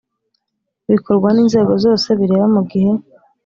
Bikorwa n inzego zose bireba mu gihe